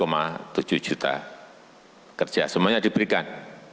rp enam belas tujuh juta pekerja semuanya diberikan